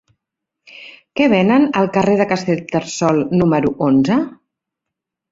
Què venen al carrer de Castellterçol número onze?